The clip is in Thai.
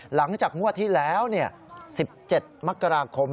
หลังจากงวดที่แล้ว๑๗มกราคม